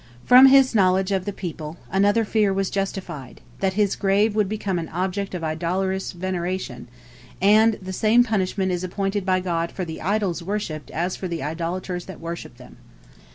From his knowledge of the people, another fear was justified, that his grave would become an object of idolatrous veneration, and the same punishment is appointed by God for the idols worshipped as for the idolaters that worship them.